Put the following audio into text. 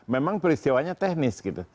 memang peristiwanya teknis gitu